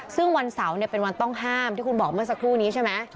ซึ่งวันเสาร์เป็นวันต้องห้ามที่คุณบอกเมื่อสักครู่นี้ใช่ไหม